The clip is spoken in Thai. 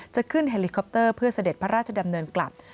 จะขึ้นเฮลิคอปเตอร์เพื่อเสด็จพระราชดำเนินกลับ